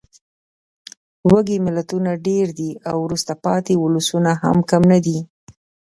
وږې ملتونه ډېر دي او وروسته پاتې ولسونه هم کم نه دي.